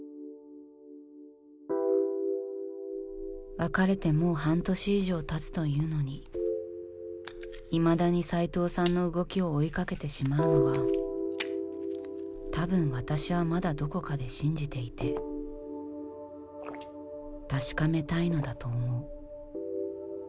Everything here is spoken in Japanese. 別れてもう半年以上たつというのにいまだに斎藤さんの動きを追いかけてしまうのは多分私はまだどこかで信じていて確かめたいのだと思う。